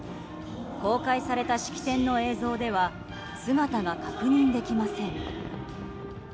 公開された式典の映像では姿が確認できません。